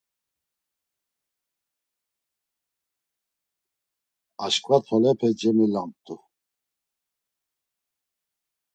Aşǩva tolepe cemilamt̆u.